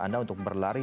anda untuk berlari